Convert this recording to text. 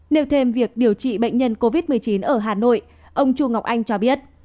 nêu thêm việc điều trị bệnh nhân covid một mươi chín ở hà nội ông chu ngọc anh cho biết